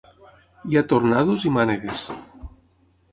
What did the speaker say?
Hi ha tornados i mànegues.